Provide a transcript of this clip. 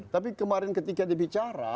tapi kemarin ketika dibicara